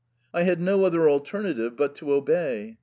I had no other alternative but to obey.